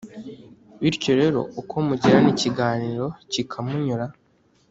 bityo rero, uko mugirana ikiganiro kikamunyura,